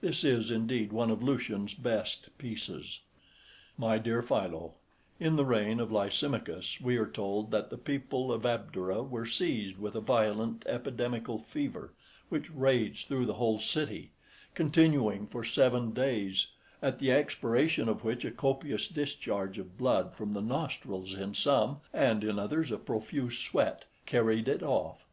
This is, indeed, one of Lucian's best pieces. My Dear Philo, In the reign of Lysimachus, we are told that the people of Abdera were seized with a violent epidemical fever, which raged through the whole city, continuing for seven days, at the expiration of which a copious discharge of blood from the nostrils in some, and in others a profuse sweat, carried it off.